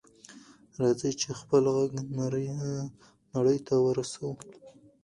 راځئ چې خپل غږ نړۍ ته ورسوو.